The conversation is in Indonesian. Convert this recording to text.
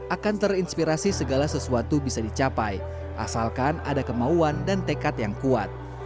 akan terinspirasi segala sesuatu bisa dicapai asalkan ada kemauan dan tekad yang kuat